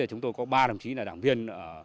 chúng tôi có ba đồng chí là đảng viên